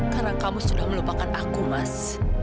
karena kamu sudah melupakan aku mas